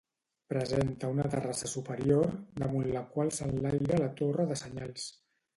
Presenta una terrassa superior, damunt la qual s'enlaira la torre de senyals.